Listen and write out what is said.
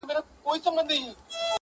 ماتم دی په دې ښار کي جنازې دي چي راځي.!